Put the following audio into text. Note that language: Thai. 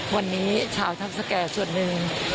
วันนี้ชาวทัพสแก่ส่วนหนึ่ง